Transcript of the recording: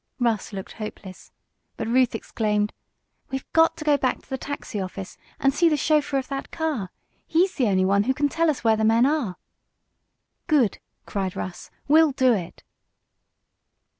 Russ looked hopeless, but Ruth exclaimed: "We've got to go back to the taxi office and see the chauffeur of that car. He's the only one who can tell us where the men are." "Good!" cried Russ. "We'll do it."